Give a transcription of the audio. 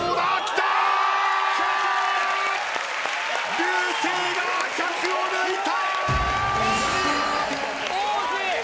流星が１００を抜いた！